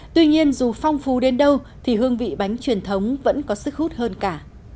tuy nhiên dù phong phú đến đâu thì hương vị bánh truyền thống vẫn có sức hút hơn cả